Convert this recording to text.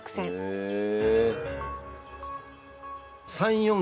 へえ。